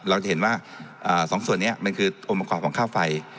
เราจะเห็นว่าสองส่วนนี้มันคืออมกราฟของค่าไฟ